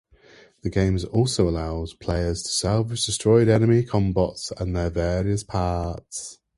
The game also allows players to salvage destroyed enemy Combots and their various parts.